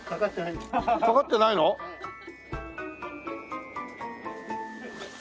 かかってないです。